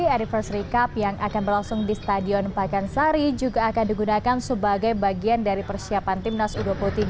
anniversary cup yang akan berlangsung di stadion pakansari juga akan digunakan sebagai bagian dari persiapan timnas u dua puluh tiga